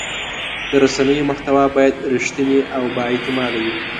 د رسنیو محتوا باید رښتینې او بااعتماده وي.